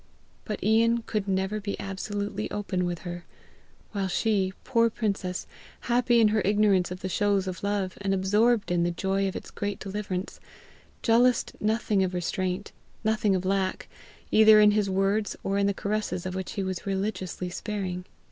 But Ian could never be absolutely open with her; while she, poor princess, happy in her ignorance of the shows of love, and absorbed in the joy of its great deliverance, jealoused nothing of restraint, nothing of lack, either in his words or in the caresses of which he was religiously sparing.